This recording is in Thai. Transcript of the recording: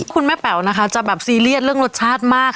คุณแม่แป๋วนะคะจะแบบซีเรียสเรื่องรสชาติมาก